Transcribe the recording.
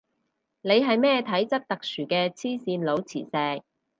你係咩體質特殊嘅黐線佬磁石